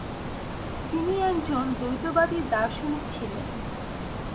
তিনি একজন দ্বৈতবাদী দার্শনিক ছিলেন।